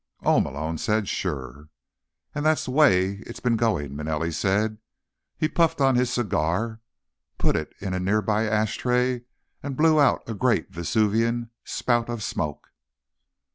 "Oh," Malone said. "Sure." "And that's the way it's been going," Manelli said. He puffed on his cigar, put it in a nearby ashtray, and blew out a great Vesuvian spout of smoke.